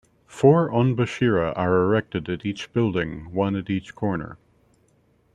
Four "onbashira" are erected at each building, one at each corner.